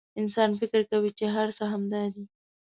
انسان فکر کوي چې هر څه همدا دي.